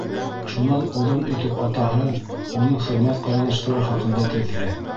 Шунан оҙон итеп атаһы, уның хеҙмәт ҡаҙаныштары хаҡында теҙҙе.